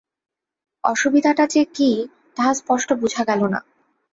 অসুবিধাটা যে কী তাহা স্পষ্ট বুঝা গেল না।